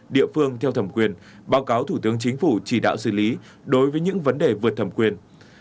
địa phương theo thẩm quyền báo cáo thủ tướng chính phủ chỉ đạo xử lý đối với những vấn đề vượt thẩm quyền